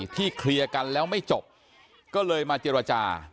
เคลียร์กันแล้วไม่จบก็เลยมาเจรจา